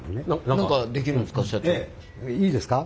何かできるんですか？